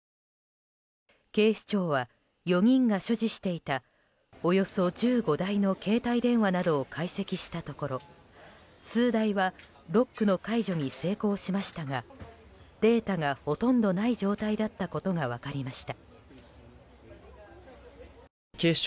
警視庁は４人が所持していたおよそ１５台の携帯電話などを解析したところ数台はロックの解除に成功しましたがデータがほとんどない状態だったことが分かりました。